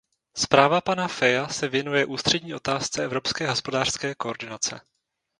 Zpráva pana Feia se věnuje ústřední otázce evropské hospodářské koordinace.